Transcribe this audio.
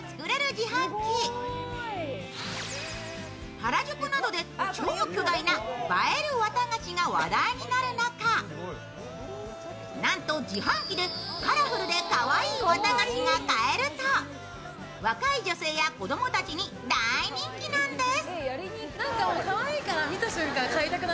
原宿などで超巨大な映えるわたがしが話題になる中なんと自販機でカラフルでかわいい綿菓子が買えると、若い女性や子供たちに大人気なんです。